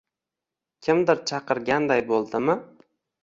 Kimdir chaqirganday bo‘ldimi?